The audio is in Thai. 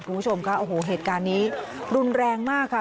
คุณผู้ชมค่ะโอ้โหเหตุการณ์นี้รุนแรงมากค่ะ